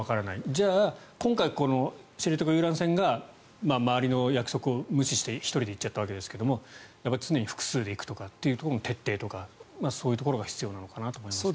じゃあ、今回知床遊覧船が周りの約束を無視して１人で行っちゃったわけですが常に複数で行くという徹底とかそういうところが必要なのかなと思います。